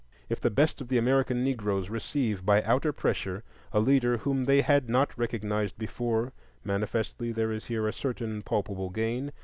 If the best of the American Negroes receive by outer pressure a leader whom they had not recognized before, manifestly there is here a certain palpable gain.